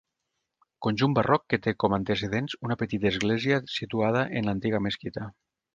Conjunt barroc que té com antecedents una petita església situada en l'antiga mesquita.